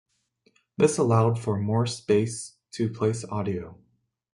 This allowed for more space to place audio.